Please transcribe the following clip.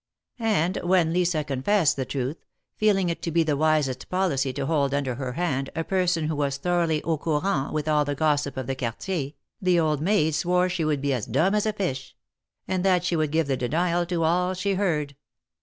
And when Lisa confessed the truth — feeling it to be the wisest policy to hold under her hand, a person who was thoroughly au courant with all the gossip of the Quartier, the old maid swore she would be as dumb as a fish ; and that she would give the denial to all she heard.